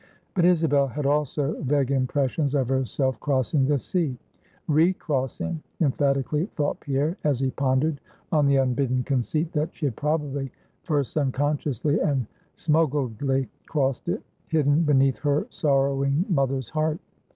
But Isabel had also vague impressions of herself crossing the sea; _re_crossing, emphatically thought Pierre, as he pondered on the unbidden conceit, that she had probably first unconsciously and smuggledly crossed it hidden beneath her sorrowing mother's heart.